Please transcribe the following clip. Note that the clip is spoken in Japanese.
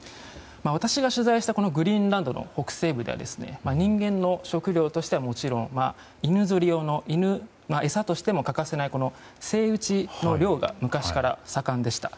私が取材したグリーンランドの北西部では人間の食料としてはもちろん犬ぞり用の犬の餌としても欠かせないセイウチの猟が昔から盛んでした。